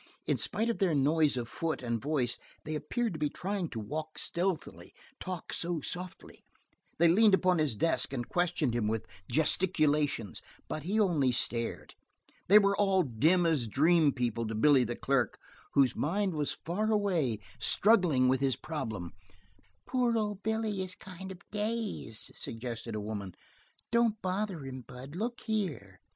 In spite of their noise of foot and voice they appeared to be trying to walk stealthily, talk so softly. They leaned about his desk and questioned him with gesticulations, but he only stared. They were all dim as dream people to Billy the clerk, whose mind was far away struggling with his problem. "Pore old Billy is kind of dazed," suggested a woman. "Don't bother him, Bud. Look here!"